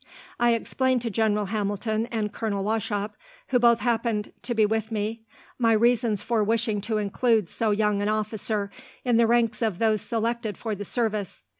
"I explained to General Hamilton and Colonel Wauchop, who both happened to be with me, my reasons for wishing to include so young an officer in the ranks of those selected for the service.